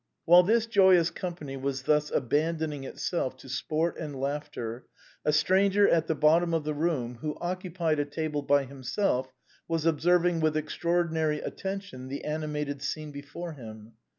While this joyous company was thus abandoning itself to sport and laughing, a stranger at the bottom of the room, who occupied a table by himself, was observing with extra ordinary attention the animated scene before him.